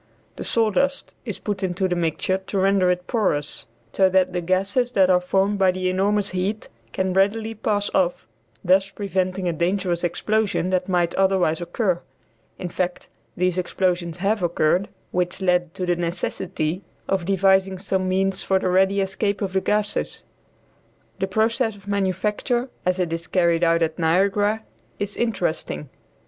The sawdust is put into the mixture to render it porous so that the gases that are formed by the enormous heat can readily pass off, thus preventing a dangerous explosion that might otherwise occur. In fact, these explosions have occurred, which led to the necessity of devising some means for the ready escape of the gases. The process of manufacture as it is carried on at Niagara is interesting.